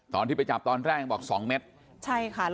ตอนที่ไปจับตอนแรกบอก๒เมตร